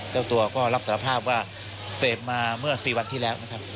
เจ้าตัวก็รับสารภาพว่าเสพมาเมื่อ๔วันที่แล้วนะครับ